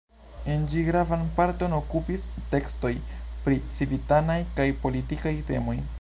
En ĝi gravan parton okupis tekstoj pri civitanaj kaj politikaj temoj.